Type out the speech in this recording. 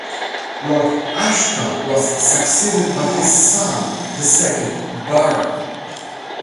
Lord Ashcombe was succeeded by his son, the second Baron.